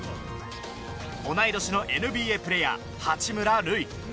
同い年のＮＢＡプレーヤー、八村塁。